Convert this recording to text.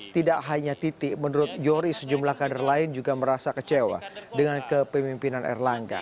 tidak hanya titi menurut yoris sejumlah kader lain juga merasa kecewa dengan kepemimpinan erlangga